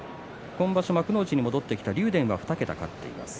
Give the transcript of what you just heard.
今場所幕内に戻ってきた竜電は２桁勝っています。